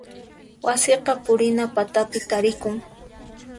Wasiqa purina patapi tarikun.